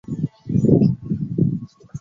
世居海盐县沈荡半逻村。